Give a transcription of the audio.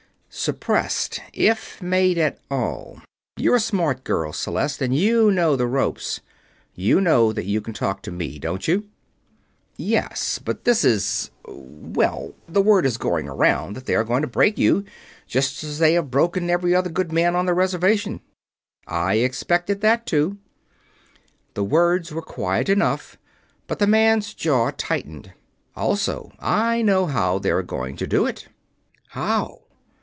Suppressed if made at all. You're a smart girl, Celeste, and you know the ropes. You know that you can talk to me, don't you?" "Yes, but this is ... well, the word is going around that they are going to break you, just as they have broken every other good man on the Reservation." "I expected that, too." The words were quiet enough, but the man's jaw tightened. "Also, I know how they are going to do it." "How?"